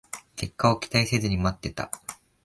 結果を期待せずに待ってた